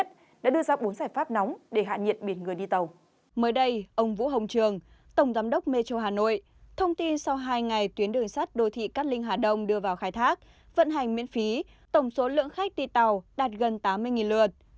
tổng giám đốc metro hà nội thông tin sau hai ngày tuyến đường sắt đô thị cát linh hà đông đưa vào khai thác vận hành miễn phí tổng số lượng khách đi tàu đạt gần tám mươi lượt